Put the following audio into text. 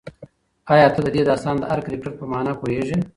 ایا ته د دې داستان د هر کرکټر په مانا پوهېږې؟